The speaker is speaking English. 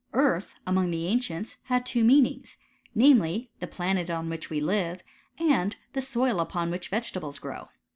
Earth, among the ancients, had two meanings, namely, the planet on which we live, and the soil upon which vegetables grow.